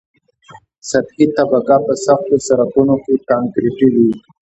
سطحي طبقه په سختو سرکونو کې کانکریټي وي